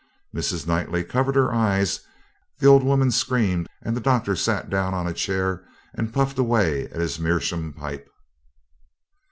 Mrs. Knightley covered her eyes, the old woman screamed, and the doctor sat down on a chair and puffed away at his meerschaum pipe.